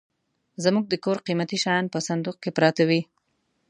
زموږ د کور قيمتي شيان په صندوخ کي پراته وي.